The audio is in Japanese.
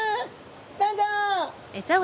どうぞ！